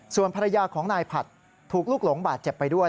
ส่วนภรรยาของนายผัดถูกลูกหลงบาดเจ็บไปด้วย